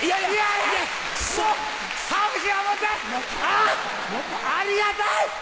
ありがたい！